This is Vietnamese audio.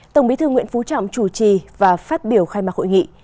tổng bí thư nguyễn phú trọng chủ trì và phát biểu khai mạc hội nghị